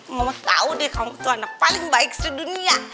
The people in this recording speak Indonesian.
mama tahu deh kamu tuh anak paling baik sedunia